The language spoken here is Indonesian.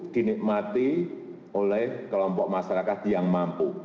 dinikmati oleh kelompok masyarakat yang mampu